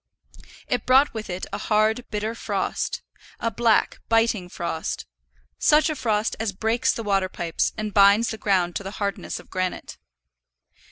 It brought with it a hard, bitter frost, a black, biting frost, such a frost as breaks the water pipes, and binds the ground to the hardness of granite.